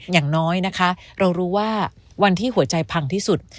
อย่างน้อยนะคะเรารู้ว่าวันที่หัวใจพังที่สุด